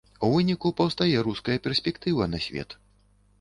У выніку паўстае руская перспектыва на свет.